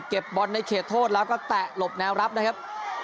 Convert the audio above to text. บอลในเขตโทษแล้วก็แตะหลบแนวรับนะครับ